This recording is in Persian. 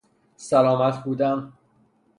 سلامت بودن